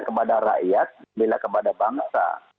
kepada rakyat kepada bangsa